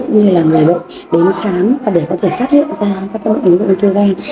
như là người bệnh đến khám và để có thể phát hiện ra các bệnh lý uống thư gan